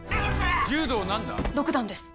柔道何段？六段です。